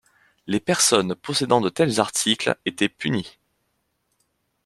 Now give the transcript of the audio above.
Les personnes possédant de tels articles étaient punies.